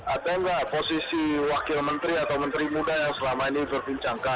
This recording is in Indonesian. ada nggak posisi wakil menteri atau menteri muda yang selama ini berbincangkan